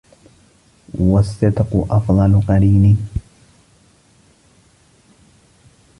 وَالصِّدْقُ أَفْضَلُ قَرِينٍ